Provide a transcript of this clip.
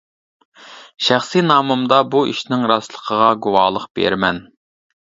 شەخسىي نامىمدا بۇ ئىشنىڭ راستلىقىغا گۇۋاھلىق بېرىمەن.